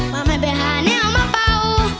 ภรรฟ์ไม่ไปหาแน่ออกมาเบา